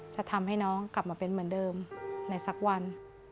จะทำให้น้องกลับมาเป็นเหมือนเดิมในสักวัน